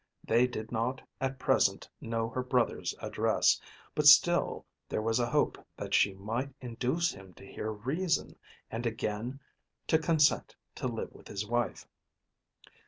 They did not at present know her brother's address; but still there was a hope that she might induce him to hear reason and again to consent to live with his wife.